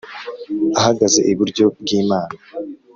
Ahagaze iburyo bw imana